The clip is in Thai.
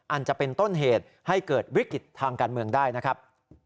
อาจจะเป็นต้นเหตุให้เกิดวิกฤตทางการเมืองได้นะครับ